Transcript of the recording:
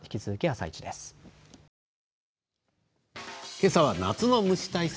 けさは夏の虫対策